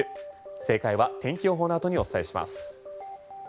正解は天気予報のあとにお伝えします。